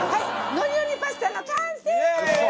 のりのりパスタの完成です！